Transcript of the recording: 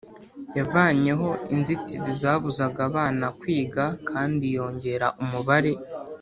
Yavanyeho inzitizi zabuzaga abana kwiga kandi yongera umubare